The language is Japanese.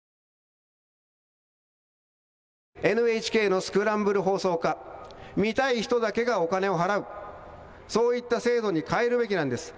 ＮＨＫのスクランブル放送化見たい人だけがお金を払うそういった制度に変えるべきなんです。